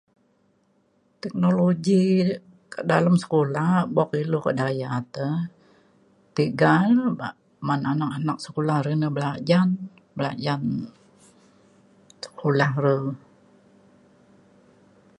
teknologi ka dalem sekula buk ilu kedaya te tiga [unintelligible] bak man anak anak sekula re na belajan belajan sekula re